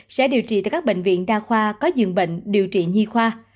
sẽ điều trị tại các bệnh viện đa khoa có dường bệnh điều trị nhi khoa